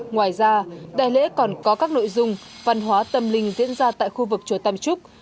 ngoài ra đại lễ còn có các nội dung văn hóa tâm linh diễn ra tại khu vực chùa tam trúc